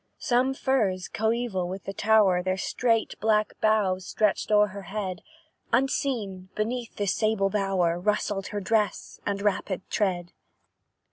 Some firs, coeval with the tower, Their straight black boughs stretched o'er her head; Unseen, beneath this sable bower, Rustled her dress and rapid tread.